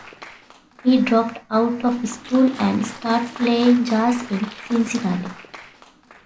He dropped out of school and started playing jazz in Cincinnati.